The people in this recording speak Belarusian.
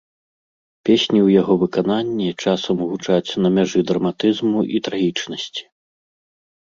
Песні ў яго выкананні часам гучаць на мяжы драматызму і трагічнасці.